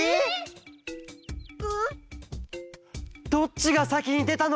どっちがさきにでたの？